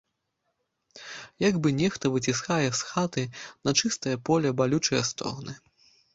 Як бы нехта выціскае з хаты на чыстае поле балючыя стогны.